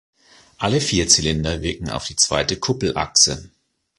Alle vier Zylinder wirkten auf die zweite Kuppelachse.